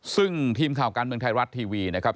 ซึ่งทีมข่าวการเมืองไทยรัฐทีวีนะครับ